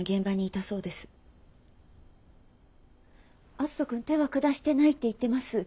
篤人君手は下してないって言ってます。